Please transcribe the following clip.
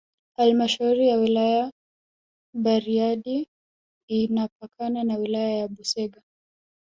Halmashauri ya Wilaya Bariadi inapakana na Wilaya ya Busega